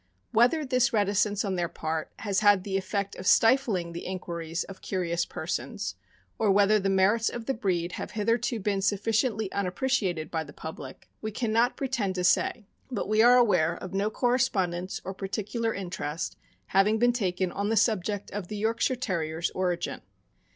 Whether this reticence on their part has had the effect of stifling the inquiries of curious persons, or whether the merits of the breed have hitherto been sufficiently unappreciated by the public, we can not pretend to say; but we are aware of no correspondence or particular interest having been taken on the subject of the Yorkshire Terrier's origin.